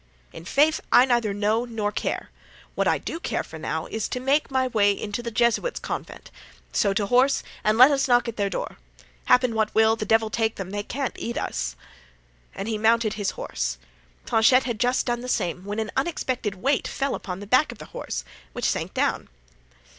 "I'faith! I neither know nor care. What I do care for now, is to make my way into the Jesuits' convent; so to horse and let us knock at their door. Happen what will, the devil take them, they can't eat us." And he mounted his horse. Planchet had just done the same when an unexpected weight fell upon the back of the horse, which sank down.